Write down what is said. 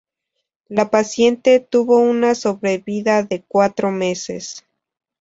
La paciente tuvo una sobrevida de cuatro meses.